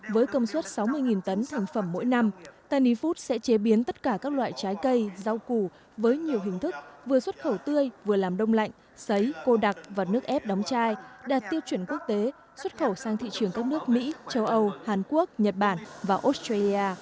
với công suất sáu mươi tấn thành phẩm mỗi năm tanny food sẽ chế biến tất cả các loại trái cây rau củ với nhiều hình thức vừa xuất khẩu tươi vừa làm đông lạnh sấy cô đặc và nước ép đóng chai đạt tiêu chuẩn quốc tế xuất khẩu sang thị trường các nước mỹ châu âu hàn quốc nhật bản và australia